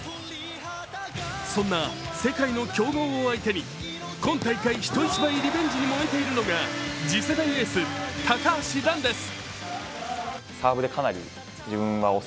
そんな世界の強豪を相手に今大会、人一倍リベンジに燃えているのが次世代エース、高橋藍です。